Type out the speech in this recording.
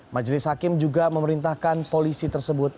majelis hakim juga memerintahkan polisi tersebut